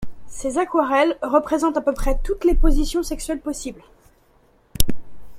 Ses aquarelles représentent à peu près toutes les positions sexuelles possibles.